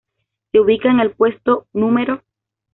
Se ubicaba en el puesto No.